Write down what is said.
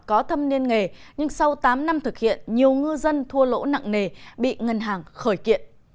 có thâm niên nghề nhưng sau tám năm thực hiện nhiều ngư dân thua lỗ nặng nề bị ngân hàng khởi kiện